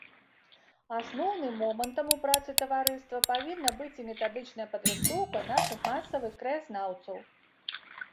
Асноўным момантам у працы таварыства павінна быць і метадычная падрыхтоўка нашых масавых краязнаўцаў.